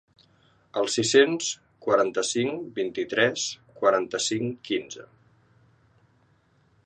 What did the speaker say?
Al sis-cents quaranta-cinc vint-i-tres quaranta-cinc quinze.